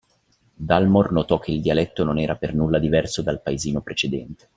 Dalmor notò che il dialetto non era per nulla diverso dal paesino precedente.